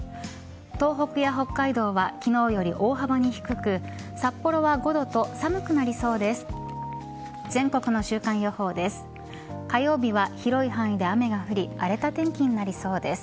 東北や北海道は昨日より大幅に低く札幌は５度と寒くなりそうです。